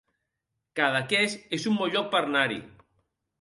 Cadaqués es un bon lloc per anar-hi